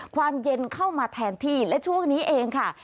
ความเย็นเข้ามาแทนที่และช่วงนี้เองค่ะ